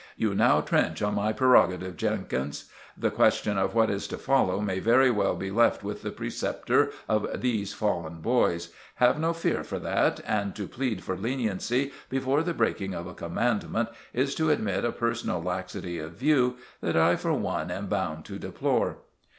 "You now trench on my prerogative, Jenkins. The question of what is to follow may very well be left with the preceptor of these fallen boys. Have no fear for that. And to plead for leniency before the breaking of a Commandment is to admit a personal laxity of view that I, for one, am bound to deplore."